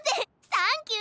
サンキュー！